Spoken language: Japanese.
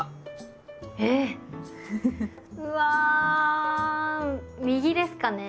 えっ⁉うわ右ですかね？